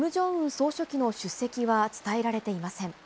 総書記の出席は伝えられていません。